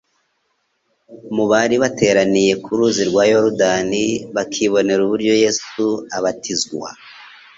Mu bari bateraniye ku ruzi rwa Yorodani bakibonera uburyo Yesu abatizwa,